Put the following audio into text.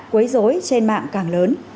quấy rối trên mạng càng lớn